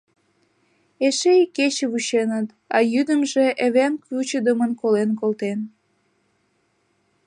Эше ик кече вученыт, а йӱдымжӧ эвенк вучыдымын колен колтен.